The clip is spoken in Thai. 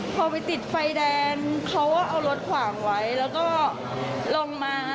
พอไปติดไฟแดนเค้าอ่ะรถขวางไว้แล้วก็ลงมา